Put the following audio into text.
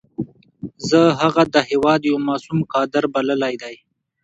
زه هغه د هېواد یو معصوم کادر بللی دی.